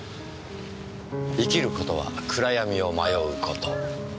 「生きることは暗闇を迷うこと」